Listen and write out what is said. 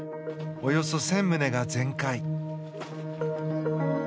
およそ１０００棟が全壊。